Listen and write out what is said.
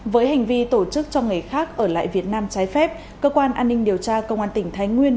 với hành vi tổ chức cho người khác ở lại việt nam trái phép cơ quan an ninh điều tra công an tỉnh thái nguyên